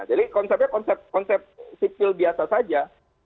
jadi konsepnya konsep sipil biasa saja